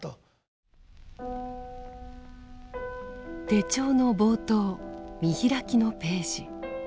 手帳の冒頭見開きのページ。